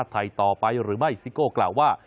ต่อไปหรือไม่ซิโก้กล่าวว่า